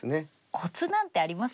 コツなんてありますかね？